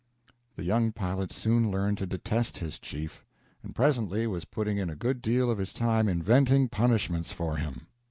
The young pilot soon learned to detest his chief, and presently was putting in a good deal of his time inventing punishments for him.